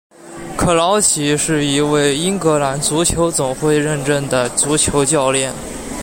克劳奇是一位英格兰足球总会认证的足球教练。